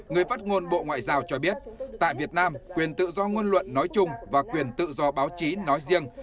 người phát ngôn bộ ngoại giao cho biết tại việt nam quyền tự do ngôn luận nói chung và quyền tự do báo chí nói riêng